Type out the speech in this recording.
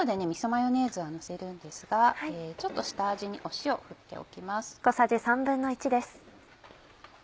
みそマヨネーズをのせるんですがちょっと下味に塩を振っておきます。